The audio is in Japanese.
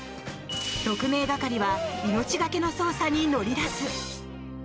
特命係は命がけの捜査に乗り出す。